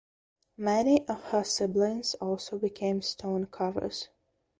Many of her siblings also became stone carvers.